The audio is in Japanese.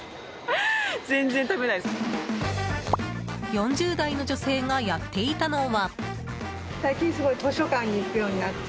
４０代の女性がやっていたのは。